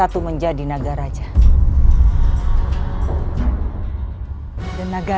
itu enggak tuhan